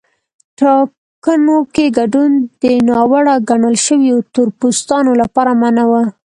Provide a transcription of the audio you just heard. ټاکنو کې ګډون د ناوړه ګڼل شویو تور پوستانو لپاره منع و.